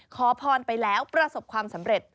ขอพรไปแล้วประสบความสำเร็จ